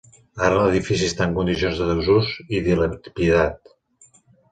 Ara l'edifici està en condicions de desús i dilapidat.